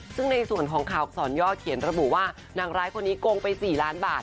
ซึ่งในส่วนของข่าวอักษรย่อเขียนระบุว่านางร้ายคนนี้โกงไป๔ล้านบาท